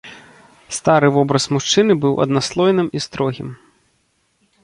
Стары вобраз мужчыны быў аднаслойным і строгім.